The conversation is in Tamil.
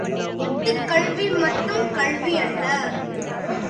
ஏட்டுக்கல்வி மட்டும் கல்வியல்ல.